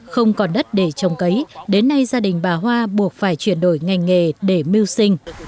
không còn đất để trồng cấy đến nay gia đình bà hoa buộc phải chuyển đổi ngành nghề để mưu sinh